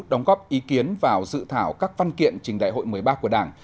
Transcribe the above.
đóng góp ý kiến vào dự thảo các văn kiện trình đại hội một mươi ba của đảng